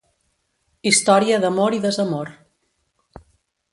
Història d'amor i desamor.